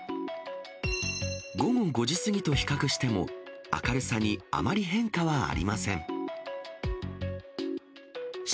午後５時過ぎと比較しても、明るさにあまり変化はありません。